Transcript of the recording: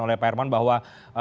oleh pak herman bahwa